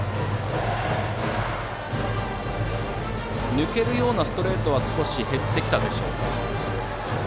抜けるようなストレートは少し減ってきたでしょうか。